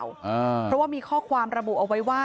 เพราะว่ามีข้อความระบุเอาไว้ว่า